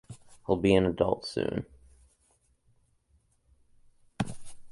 He'll be an adult soon.